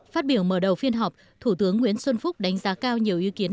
phát biểu mở đầu phiên họp thủ tướng nguyễn xuân phúc đánh giá cao nhiều ý kiến